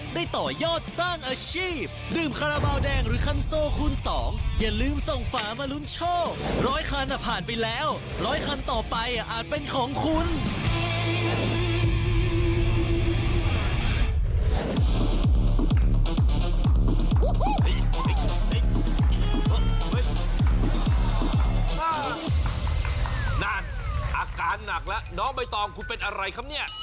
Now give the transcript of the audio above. นั่นอาการหนักแล้วน้องใบตองคุณเป็นอะไรครับเนี่ย